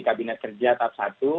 kabinet kerja tab satu